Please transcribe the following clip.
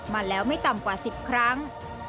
มาแล้วไม่ต่ำกว่า๑๐ครั้ง